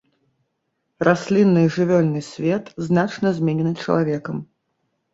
Раслінны і жывёльны свет значна зменены чалавекам.